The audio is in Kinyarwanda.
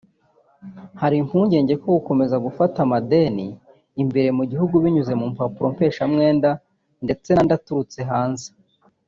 Hari impungenge ko gukomeza gufata amadeni imbere mu gihugu binyuze mu mpapuro mpeshamwenda ndetse n’andi aturutse hanze